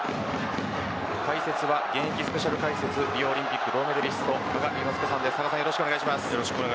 解説は現役スペシャル解説リオオリンピック銅メダリストの羽賀龍之介さんです